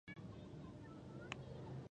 د صادقو مدیرانو شتون د ادارو چارې سموي.